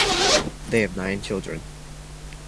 They have nine children.